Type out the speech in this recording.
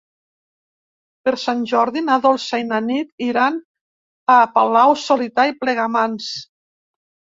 Per Sant Jordi na Dolça i na Nit iran a Palau-solità i Plegamans.